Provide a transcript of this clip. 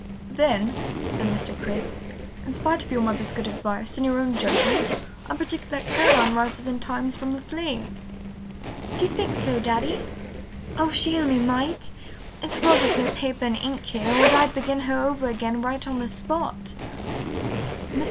"Then," said Mr. Crisp, "in spite of your mother's good advice and your own judgment I predict that Caroline rises in time from the flames." "Do you think so, Daddy? Oh, if she only might! It's well there's no paper and ink here or I'd begin her over again right on the spot." Mr.